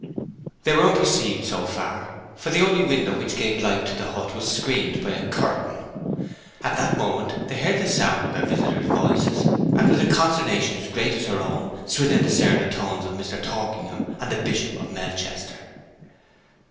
They were unperceived so far, for the only window which gave light to the hut was screened by a curtain. At that moment they heard the sound of their visitors' voices, and, with a consternation as great as her own, Swithin discerned the tones of Mr. Torkingham and the Bishop of Melchester.